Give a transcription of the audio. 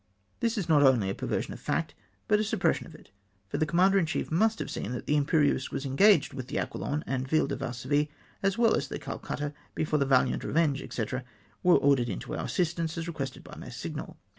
Tliis is not only a perversion of fact, but a suppres sion of it ; for the commander in chief must have seen that the Im2?erieuse was engaged with the Aquilon and Ville de Varsovie, as well as with the Calcutta, before the Valiant, Revenge, &c., were ordered in to our assist ance, as requested by my signal.